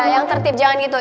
yang tertib jangan gitu